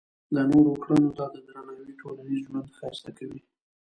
د نورو کړنو ته درناوی ټولنیز ژوند ښایسته کوي.